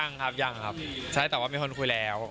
ยังครับยังครับใช่แต่ว่ามีคนคุยแล้ว